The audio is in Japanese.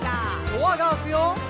「ドアが開くよ」